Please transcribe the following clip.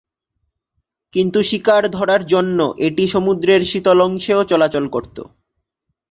কিন্তু শিকার ধরার জন্য এটি সমুদ্রের শীতল অংশেও চলাচল করতো।